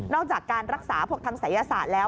จากการรักษาพวกทางศัยศาสตร์แล้ว